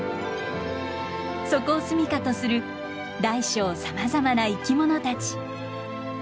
そこを住みかとする大小さまざまな生き物たち。